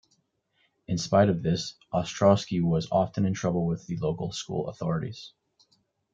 In spite of this Ostrowski was often in trouble with the local school authorities.